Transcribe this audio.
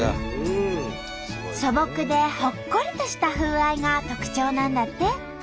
素朴でほっこりとした風合いが特徴なんだって！